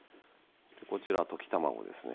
こちら溶き卵ですね。